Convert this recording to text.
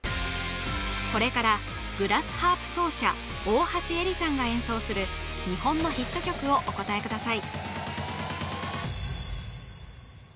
これからグラスハープ奏者大橋エリさんが演奏する日本のヒット曲をお答えください